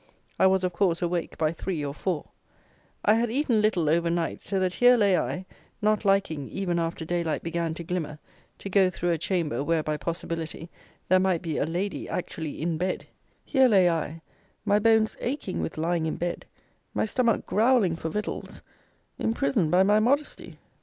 I was, of course, awake by three or four; I had eaten little over night; so that here lay I, not liking (even after day light began to glimmer) to go through a chamber, where, by possibility, there might be "a lady" actually in bed; here lay I, my bones aching with lying in bed, my stomach growling for victuals, imprisoned by my modesty.